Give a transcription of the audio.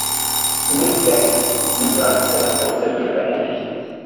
Nick Bakay reprised Salem for "Sabrina, the Animated Series".